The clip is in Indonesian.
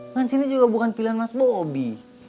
kan cindy juga bukan pilihan mas bobby